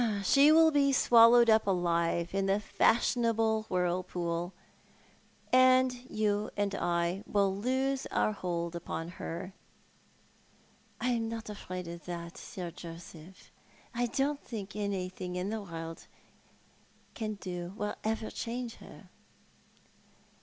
" She will be swallowed up alive in the fashionable whirlpool, and you and I will lose our hold upon her." "I'm not afraid of that. Sir Joseph. I don't think anything the world can do will ever change her."